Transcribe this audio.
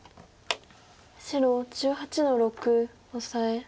白１８の六オサエ。